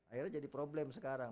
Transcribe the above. akhirnya jadi problem sekarang